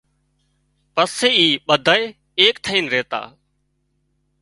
پسي اِي ٻڌائي ايڪ ٿئينَ ريتا